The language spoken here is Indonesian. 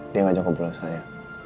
dia ngajak ke pulau saya